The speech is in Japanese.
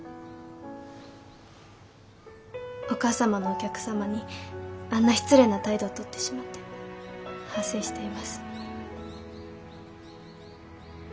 お母様のお客様にあんな失礼な態度をとってしまって反省しています。